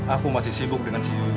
aku masih sibuk dengan si yuyun